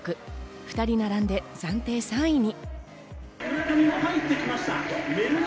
２人並んで暫定３位に。